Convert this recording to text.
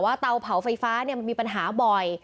ว่าเตาเผาไฟฟ้าเนี่ยมันมีปัญหาบ่อย